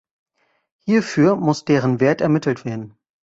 Hierfür muss deren Wert ermittelt werden.